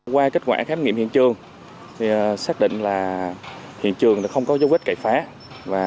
qua kết quả khám nghiệm hiện trường xác định là hiện trường không có dấu vết cậy phá